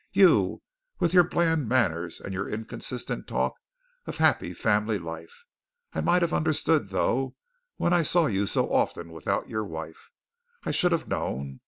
You, with your bland manners and your inconsistent talk of happy family life. I might have understood, though, when I saw you so often without your wife. I should have known.